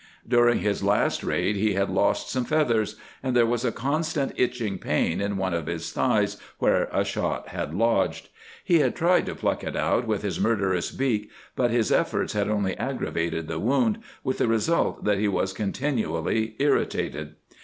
During his last raid he had lost some feathers, and there was a constant, itching pain in one of his thighs, where a shot had lodged. He had tried to pluck it out with his murderous beak, but his efforts had only aggravated the wound, with the result that he was continually irritated.